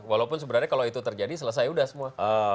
walaupun sebenarnya kalau itu terjadi selesai sudah semua